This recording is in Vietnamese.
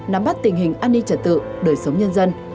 nắm bắt tình hình an ninh trật tự đời sống nhân dân